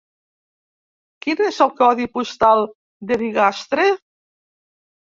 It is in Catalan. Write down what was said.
Quin és el codi postal de Bigastre?